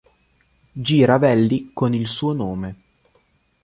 G. Ravelli con il suo nome.